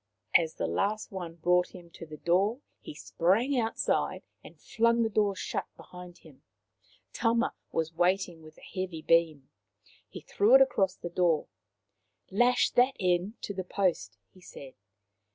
As the last one brought him to the door he sprang outside and flung the door shut behind him. Tama was waiting with a heavy beam. He threw it across the door. " Lash that end to the post," he said.